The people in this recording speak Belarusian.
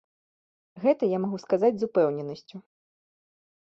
Гэта я магу сказаць з упэўненасцю.